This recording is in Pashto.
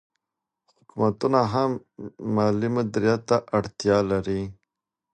حکومتونه هم مالي مدیریت ته اړتیا لري.